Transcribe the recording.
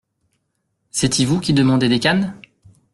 C’est-y vous qui demandez des canes ?